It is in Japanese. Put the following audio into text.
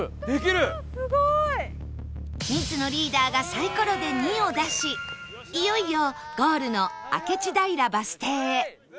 水野リーダーがサイコロで「２」を出しいよいよゴールの明智平バス停へ